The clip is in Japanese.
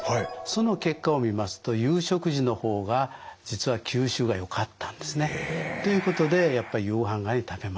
その結果を見ますと夕食時の方が実は吸収がよかったんですね。ということでやっぱり夕ごはん内に食べましょうということになります。